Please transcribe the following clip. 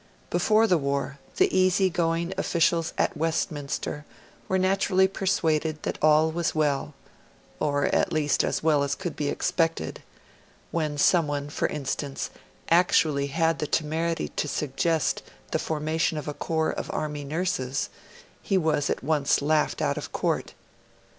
Before the war, the easygoing officials at Westminster were naturally persuaded that all was well or at least as well as could be expected; when someone, for instance, actually had the temerity to suggest the formation of a corps of Army nurses, he was at once laughed out of court.